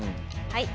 はい。